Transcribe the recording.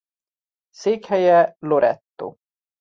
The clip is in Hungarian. Székhelye Loreto.